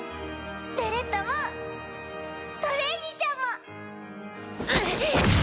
ベレッタもトレイニーちゃんも！